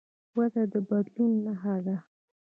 وده د بدلون نښه ده.